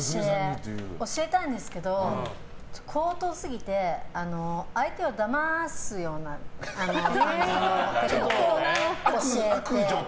教えたんですけど高等すぎて、相手をだますような感じのを教えて。